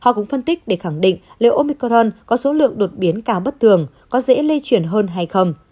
họ cũng phân tích để khẳng định liệu omicron có số lượng đột biến cao bất thường có dễ lây chuyển hơn hay không